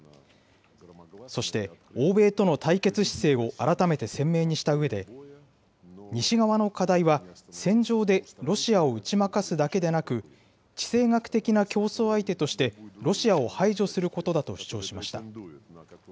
そして、欧米との対決姿勢を改めて鮮明にしたうえで、西側の課題は、戦場でロシアを打ち負かすだけでなく、地政学的な競争相手としてロシアを排除することだと主張しました。